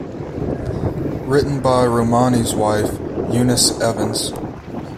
Written by Romany's wife, Eunice Evens.